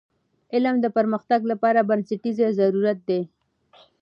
علم د پرمختګ لپاره بنسټیز ضرورت دی.